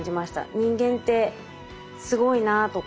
人間ってすごいなあとか。